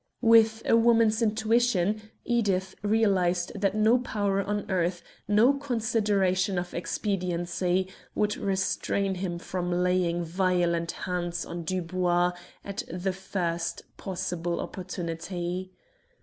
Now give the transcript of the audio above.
With a woman's intuition Edith realized that no power on earth, no consideration of expediency, would restrain him from laying violent hands on Dubois at the first possible opportunity.